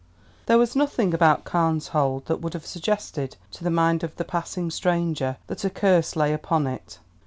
There was nothing about Carne's Hold that would have suggested to the mind of the passing stranger that a curse lay upon it.